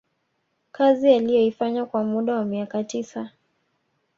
kazi aliyoifanya kwa muda wa miaka tisa